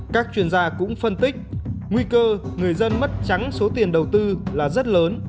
các chuyên gia cũng phân tích nguy cơ người dân mất trắng số tiền đầu tư là rất lớn